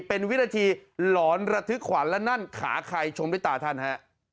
เป็นวินาทีหลอนระทึกขวัญและนั่นขาใครชมด้วยตาท่านฮะ